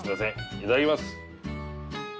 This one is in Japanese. いただきます！